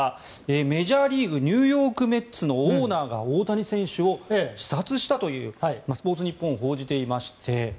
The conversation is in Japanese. メジャーリーグニューヨーク・メッツのオーナーが大谷選手を視察したとスポーツニッポンが報じていまして。